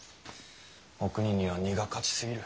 おくにには荷が勝ちすぎる。